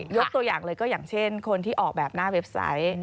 ยกตัวอย่างเลยก็อย่างเช่นคนที่ออกแบบหน้าเว็บไซต์